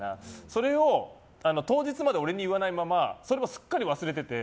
それを当日まで俺に言わないままそれもすっかり忘れてて。